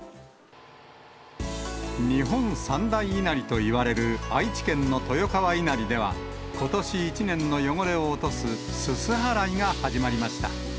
日本三大稲荷といわれる愛知県の豊川稲荷では、ことし一年の汚れを落とすすす払いが始まりました。